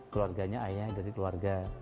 keluarganya ayah dari keluarga